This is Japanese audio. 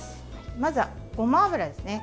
まずは、ごま油ですね。